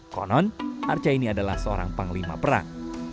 konon arca ini adalah seorang panglima perang